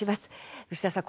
牛田さん